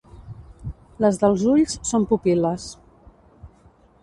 Les dels ulls són pupil·les.